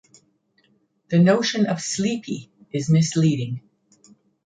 The notion of "sleepy" is misleading.